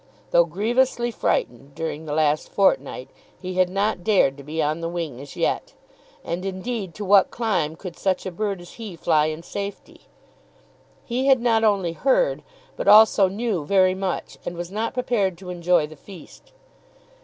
Though grievously frightened during the last fortnight, he had not dared to be on the wing as yet. And, indeed, to what clime could such a bird as he fly in safety? He had not only heard, but also knew very much, and was not prepared to enjoy the feast.